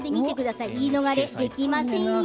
言い逃れできませんよ。